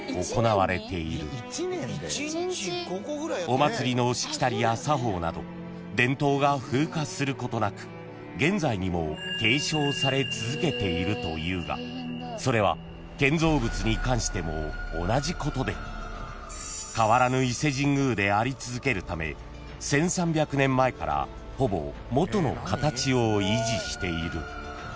［お祭りのしきたりや作法など伝統が風化することなく現在にも継承され続けているというがそれは建造物に関しても同じことで変わらぬ伊勢神宮であり続けるため１，３００年前からほぼ元の形を維持している］